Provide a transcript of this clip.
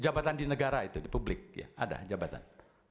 jabatan di negara itu di publik ya ada jabatan